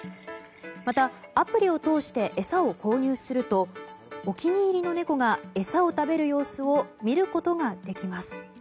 また、アプリを通して餌を購入するとお気に入りの猫が餌を食べる様子が見ることができます。